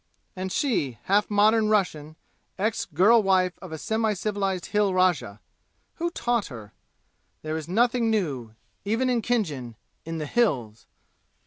And she half modern Russian, ex girl wife of a semi civilized Hill rajah! Who taught her? There is nothing new, even in Khinjan, in the "Hills"!